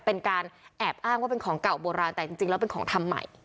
เป็นการแอบอ้างว่าเป็นของเก่าโบราณแต่จริงแล้วเป็นของทำใหม่